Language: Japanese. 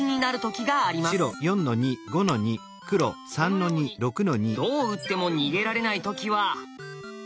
このようにどう打っても逃げられない時は。